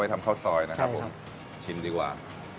ซ่อยนะครับผมใช่ครับชินดีกว่า